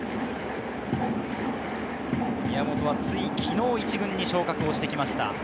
宮本は、つい昨日１軍に昇格してきました。